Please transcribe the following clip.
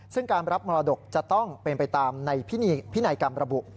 ซึ่งการรับมรดกจะต้องเป็นไปตามในพินัยกรรมระบุ